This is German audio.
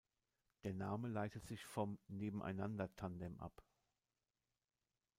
Der Name leitet sich vom „Nebeneinander-Tandem“ ab.